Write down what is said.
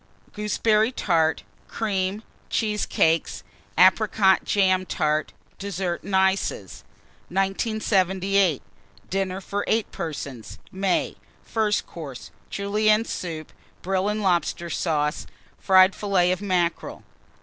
Gooseberry Tart. Cream. Cheesecakes. Apricot jam Tart. DESSERT AND ICES. 1978. DINNER FOR 8 PERSONS (May). FIRST COURSE. Julienne Soup. Brill and Lobster Sauce. Fried Fillets of Mackerel.